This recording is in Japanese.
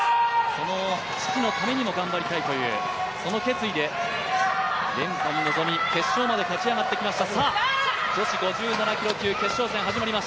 その父のためにも頑張りたいというその決意で連覇に臨み決勝まで勝ち上がってきました。